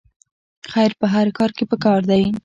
خیر په هر کار کې پکار دی